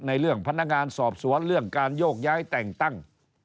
ในเรื่องพนักงานสอบสวนเรื่องการโยกย้ายแต่งตั้ง